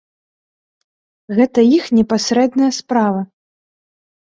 Гэта іх непасрэдная справа.